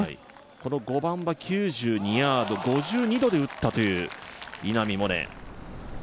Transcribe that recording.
この５番は９２ヤード５２度で打ったという稲見萌寧。